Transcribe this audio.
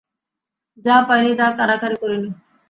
যা পাই নি তা কাড়াকাড়ি করি নি।